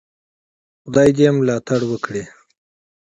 خدای ملاتړ وکړی.